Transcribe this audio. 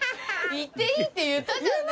言っていいって言ったじゃんね。